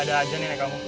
ada ada aja nenek kamu